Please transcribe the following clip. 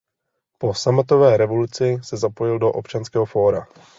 Po sametové revoluci se zapojil do Občanského fóra.